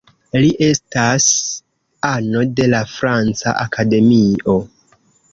Li estas ano de la Franca Akademio.